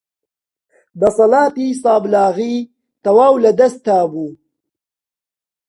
دەسەڵاتی سابڵاغی تەواو لە دەستابوو